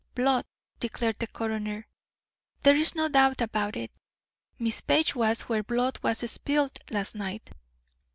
"Blood," declared the coroner. "There is no doubt about it. Miss Page was where blood was spilled last night."